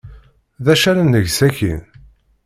D acu ara neg sakkin?